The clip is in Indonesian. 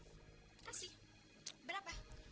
terima kasih berapa